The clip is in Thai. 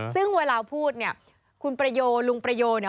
ซึ่งเวลาพูดเนี่ยคุณประโยลุงประโยเนี่ย